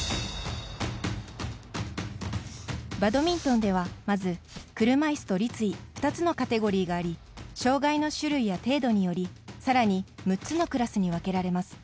バドミントンではまず車いすと立位２つのカテゴリーがあり障がいの種類や程度によりさらに６つのクラスに分けられます。